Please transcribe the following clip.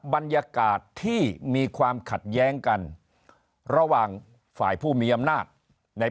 บรรยากาศที่มีความขัดแย้งกันระหว่างฝ่ายผู้มีอำนาจใน